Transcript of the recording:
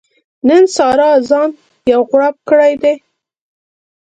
نن سارا ځان یو غړوپ کړی دی.